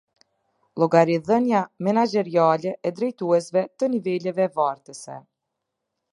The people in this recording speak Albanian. Llogaridhënia menaxheriale e drejtuesve të niveleve vartëse.